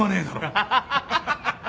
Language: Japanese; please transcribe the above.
アハハハ。